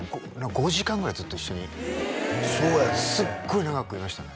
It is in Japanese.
５時間ぐらいずっと一緒にそうやねんすっごい長くいましたね